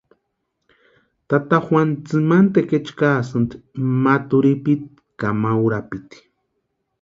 Tata Juanu tsimani tekechu kaasïnti ma turhipiti k ama urapiti.